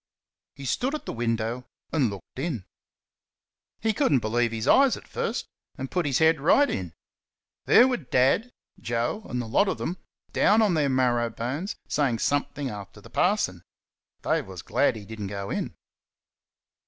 He stood at the window and looked in. He could n't believe his eyes at first, and put his head right in. There were Dad, Joe, and the lot of them down on their marrow bones saying something after the parson. Dave was glad that he did n't go in.